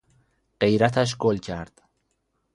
غیرتش گل کرد.